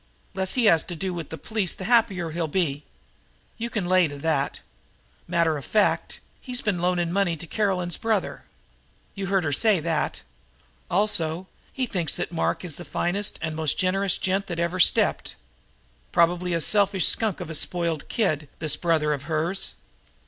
Less he has to do with the police the happier he'll be. You can lay to that. Matter of fact, he's been loaning money to Caroline's brother. You heard her say that. Also, he thinks that Mark is the finest and most generous gent that ever stepped. Probably a selfish skunk of a spoiled kid, this brother of hers.